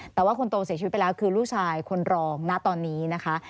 แต่ว่าคนโตเสียชีวิตไปแล้วคือลูกชายคนรองณตอนนี้นะคะ